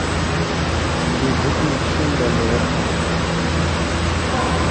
জীবনে সকল রূপে পাওয়া এটিপি প্রায়শই অন্তঃকোষীয় শক্তি স্থানান্তরের জন্য জৈব মুদ্রা হিসাবে পরিচিত।